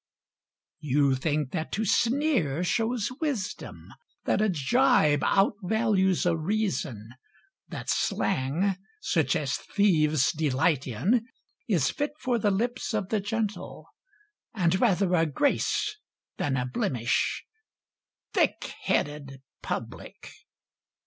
You think that to sneer shows wisdom, That a gibe outvalues a reason, That slang, such as thieves delight in, Is fit for the lips of the gentle, And rather a grace than a blemish, Thick headed public!